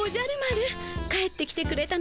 帰ってきてくれたのですか。